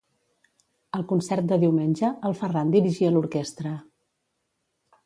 Al concert de diumenge, el Ferran dirigia l'orquestra.